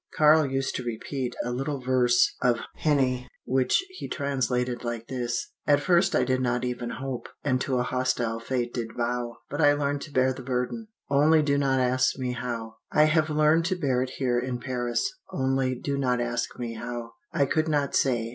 "Karl used to repeat a little verse of Heine, which he translated like this:" 'At first I did not even hope, And to a hostile fate did bow But I learned to bear the burden Only do not ask me how.' "I have learned to bear it here in Paris only do not ask me how. I could not say.